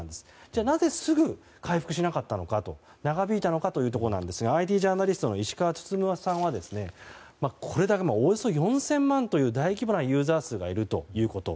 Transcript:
じゃあ、なぜすぐに回復しなかったのか長引いたのかですがＩＴジャーナリストの石川温さんはおよそ４０００万という大規模なユーザー数がいること。